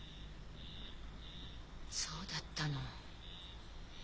そうだったの。